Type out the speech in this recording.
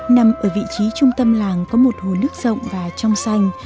nằm ở vị trí trung tâm làng có một hồ nước rộng và trong xanh